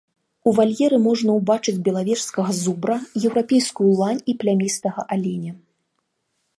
У вальеры можна ўбачыць белавежскага зубра, еўрапейскую лань і плямістага аленя.